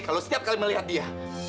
kalau setiap kali melihat dia